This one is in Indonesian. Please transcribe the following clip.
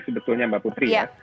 sebetulnya mbak putri ya